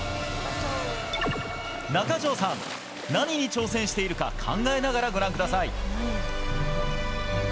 中条さん、何に挑戦しているか考えながらご覧ください。